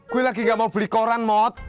gue lagi gak mau beli koran mot